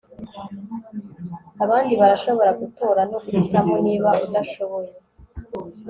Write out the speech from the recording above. Abandi barashobora gutora no guhitamo niba udashoboye